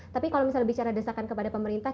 tapi kalau misalnya bicara desakan kepada pemerintah